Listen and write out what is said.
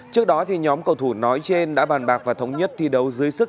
trước đó nhóm cầu thủ nói trên đã bàn bạc và thống nhất thi đấu dưới sức